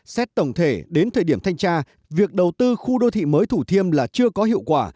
xét tổng thể đến thời điểm thanh tra việc đầu tư khu đô thị mới thủ thiêm là chưa có hiệu quả